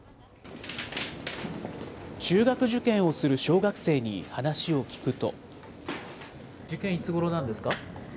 中学受験をする小学生に話を聞くと。